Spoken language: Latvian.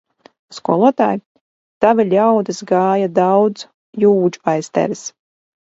Skolotāj, tavi ļaudis gāja daudz jūdžu aiz tevis!